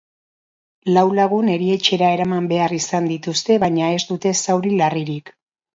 Lau lagun erietxera eraman behar izan dituzte, baina ez dute zauri larririk.